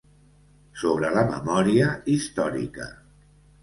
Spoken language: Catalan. Sobre la memòria històrica.